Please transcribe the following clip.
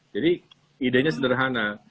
jadi idenya sederhana